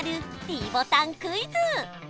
ｄボタンクイズ